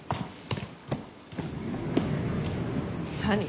何？